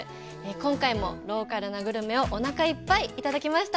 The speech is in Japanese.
今回もローカルなグルメをおなかいっぱい、いただきました。